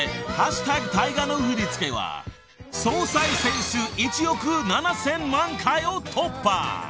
タイガの振り付けは総再生数１億７，０００万回を突破］